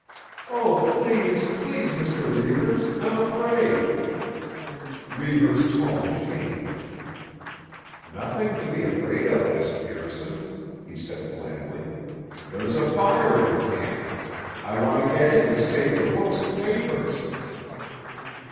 "Oh, please, please, Mr. Reivers! I'm afraid!" Reivers' tone changed. "Nothing to be afraid of, Miss Pearson," he said blandly. "There's a fire in camp. I want to get in to save the books and papers."